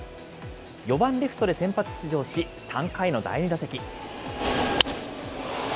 ４番レフトで先発出場し、３回の第２打席。